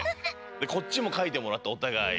でこっちもかいてもらっておたがい。